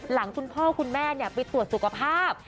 คุณพ่อคุณแม่ไปตรวจสุขภาพ